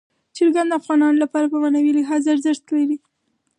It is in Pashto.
چرګان د افغانانو لپاره په معنوي لحاظ ارزښت لري.